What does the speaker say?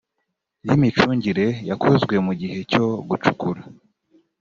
y imicungire yakozwe mu gihe cyo gucukura